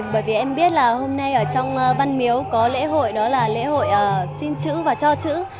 bởi vì em biết là hôm nay ở trong văn miếu có lễ hội đó là lễ hội xin chữ và cho chữ